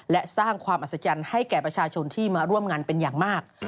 และสร้างความอัศจรรย์ให้แก่ประชาชนที่มาร่วมงานเป็นอย่างมาก